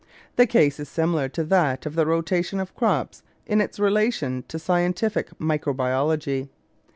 The case is similar to that of the rotation of crops in its relation to scientific microbiology.